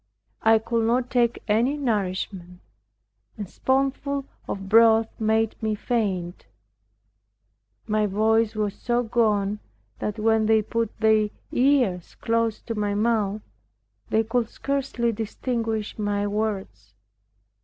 I could not take any nourishment. A spoonful of broth made me faint. My voice was so gone, that when they put their ears close to my mouth, they could scarcely distinguish my words.